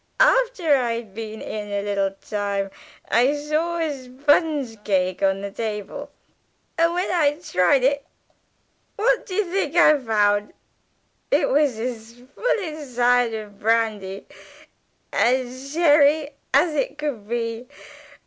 After I'd been in a little time I saw a sponge cake on the table, and when I tried it, what d'ye think I found? It was as full inside of brandy an' sherry as it could be.